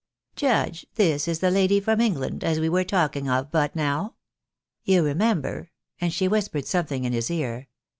Judge, this is the lady from England, as we were talk ing of but noAV. You remember," and she whispered something in his ear.